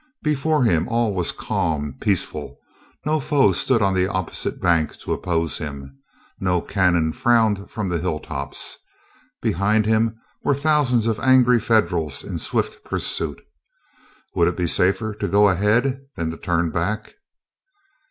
Before him all was calm, peaceful. No foe stood on the opposite bank to oppose him; no cannon frowned from the hilltops. Behind him were thousands of angry Federals in swift pursuit. Would it be safer to go ahead than to turn back?